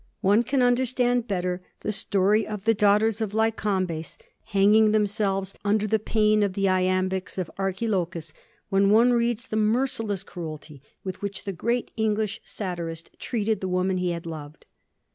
One can understand better the story of the daughters of Lycambes hanging themselves under the pain of the iambics of Archilochus when one reads the merciless cruelty with which the great English satirist treated the woman he had loved.